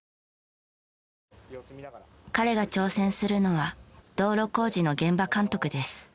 彼が挑戦するのは道路工事の現場監督です。